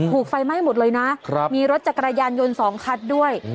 ถูกไฟไหม้หมดเลยนะมีรถจักรยานยนต์๒คันด้วย